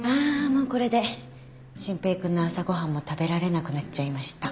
もうこれで真平君の朝ご飯も食べられなくなっちゃいました。